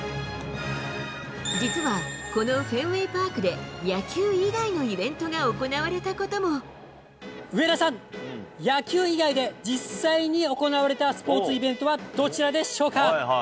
実は、このフェンウェイパークで、野球以外のイベントが行われたこ上田さん、野球以外で実際に行われたスポーツイベントはどちらでしょうか？